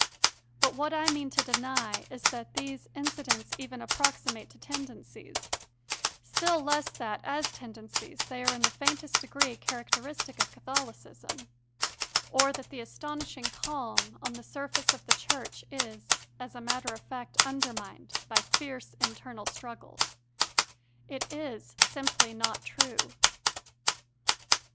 But what I mean to deny is that these incidents even approximate to tendencies still less that, as tendencies, they are in the faintest degree characteristic of Catholicism or that the astonishing calm on the surface of the Church is, as a matter of fact, undermined by fierce internal struggles. It is simply not true.